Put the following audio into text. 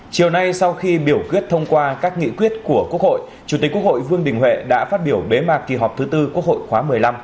chiều nay sau khi biểu quyết thông qua các nghị quyết của quốc hội chủ tịch quốc hội vương đình huệ đã phát biểu bế mạc kỳ họp thứ tư quốc hội khóa một mươi năm